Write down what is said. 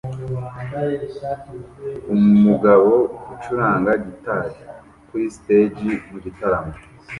Umugabo ucuranga gitari kuri stage mugitaramo